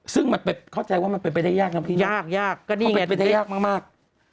ซึ่งเข้าใจว่ามันเป็นแบบยากนะพี่น้องได้ยากมาก